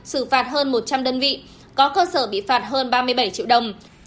xử phạt hơn một trăm linh đơn vị có cơ sở bị phạt hơn ba mươi bảy triệu đồng